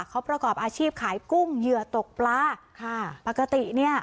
เขาประกอบอาชีพขายกุ้งเหยื่อตกปลาค่ะปกติเนี่ย